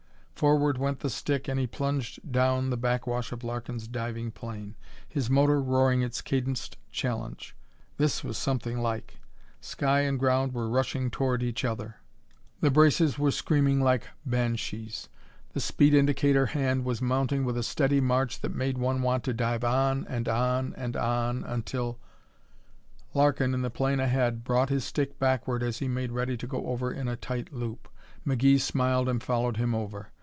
Forward went the stick and he plunged down the backwash of Larkin's diving plane, his motor roaring its cadenced challenge. This was something like! Sky and ground were rushing toward each other. The braces were screaming like banshees; the speed indicator hand was mounting with a steady march that made one want to dive on and on and on until Larkin, in the plane ahead, brought his stick backward as he made ready to go over in a tight loop. McGee smiled and followed him over.